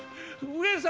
上様！